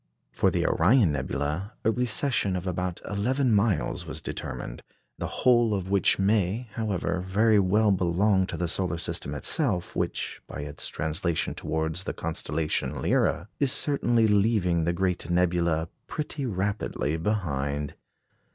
For the Orion nebula, a recession of about eleven miles was determined, the whole of which may, however, very well belong to the solar system itself, which, by its translation towards the constellation Lyra, is certainly leaving the great nebula pretty rapidly behind.